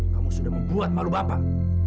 kamu sudah membuat malu bapak